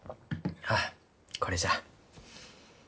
あこれじゃ。